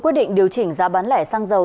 quyết định điều chỉnh giá bán lẻ xăng dầu